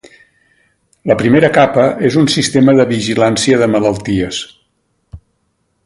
La primera capa és un sistema de vigilància de malalties.